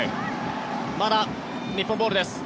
まだ日本ボールです。